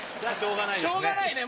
しょうがないですね。